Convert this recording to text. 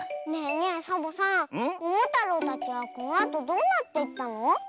ねえねえサボさんももたろうたちはこのあとどうなっていったの？